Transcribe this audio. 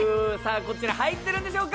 こちら、入ってるんでしょうか。